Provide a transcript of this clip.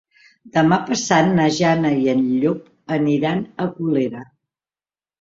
Demà passat na Jana i en Llop aniran a Colera.